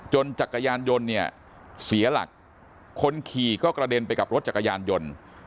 จักรยานยนต์เนี่ยเสียหลักคนขี่ก็กระเด็นไปกับรถจักรยานยนต์